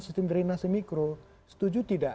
sistem dari nasi mikro setuju tidak